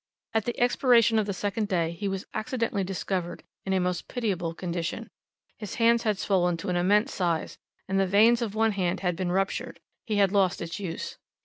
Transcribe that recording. At the expiration of the second day, he was accidentally discovered in a most pitiable condition. His hands had swollen to an immense size, and the veins of one hand having been ruptured, he had lost its use.